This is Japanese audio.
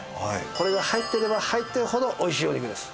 これが入っていれば入っているほどおいしいお肉です。